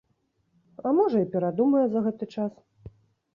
А, можа, і перадумае за гэты час.